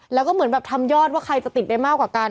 แล้วก็เหมือนแบบทำยอดว่าใครจะติดได้มากกว่ากัน